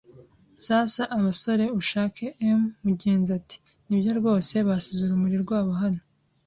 Sasa, abasore, ushake 'em. ” Mugenzi ati: "Nibyo rwose, basize urumuri rwabo hano"